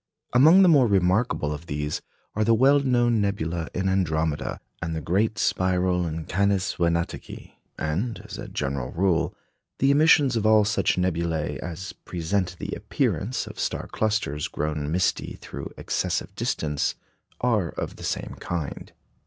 Among the more remarkable of these are the well known nebula in Andromeda, and the great spiral in Canes Venatici; and, as a general rule, the emissions of all such nebulæ as present the appearance of star clusters grown misty through excessive distance are of the same kind.